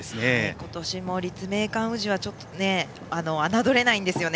今年も立命館宇治はあなどれないんですよね。